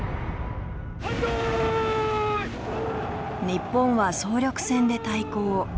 日本は総力戦で対抗。